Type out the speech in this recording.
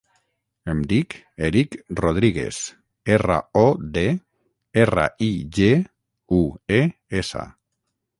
Em dic Erik Rodrigues: erra, o, de, erra, i, ge, u, e, essa.